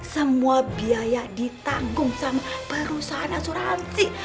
semua biaya ditanggung sama perusahaan asuransi